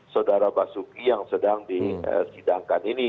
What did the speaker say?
saudara pak suki yang sedang disidangkan ini